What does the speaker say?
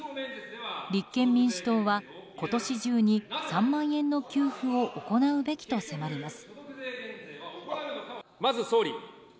立憲民主党は今年中に、３万円の給付を行うべきと迫ります。